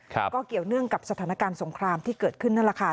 ก็เกี่ยวเนื่องกับสถานการณ์สงครามที่เกิดขึ้นนั่นแหละค่ะ